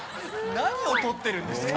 何を撮ってるんですか？